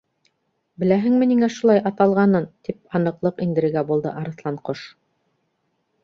—Беләһеңме ниңә шулай аталғанын? —тип аныҡлыҡ индерергә булды Арыҫланҡош.